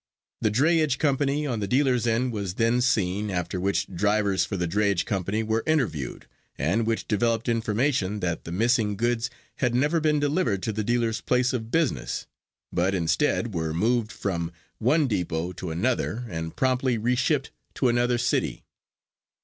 The drayage company on the dealer's end was then seen, after which drivers for the drayage company were interviewed, and which developed information that the missing goods had never been delivered to the dealer's place of business, but instead were moved from one depot to another and promptly re shipped to another city.